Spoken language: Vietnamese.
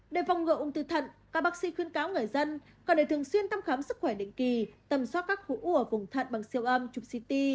để phòng ngựa ung thư thận các bác sĩ khuyên cáo người dân cần để thường xuyên tăm khám sức khỏe đỉnh kỳ tầm soát các khu u ở cùng thận bằng siêu âm chụp ct